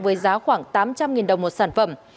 với giá khoảng tám trăm linh đồng một sản phẩm